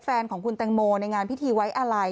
แฟนของคุณแตงโมในงานพิธีไว้อาลัย